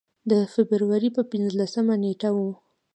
د فبروري پر پنځلسمه نېټه و.